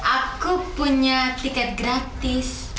aku punya tiket gratis